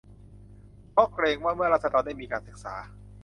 เพราะเกรงว่า เมื่อราษฎรได้มีการศึกษา